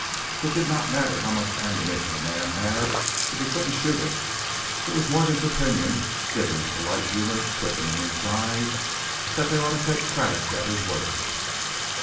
It did not matter how much ammunition a man had if he couldn't shoot it. It was Morgan's opinion, given with the light of humor quickening in his eyes, that they ought to take Craddock at his word.